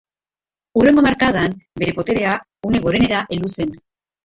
Hurrengo hamarkadan bere boterea une gorenera heldu zen.